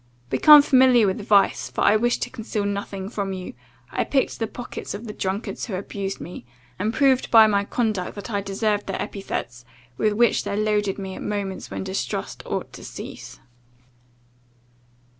Become familiar with vice, for I wish to conceal nothing from you, I picked the pockets of the drunkards who abused me; and proved by my conduct, that I deserved the epithets, with which they loaded me at moments when distrust ought to cease.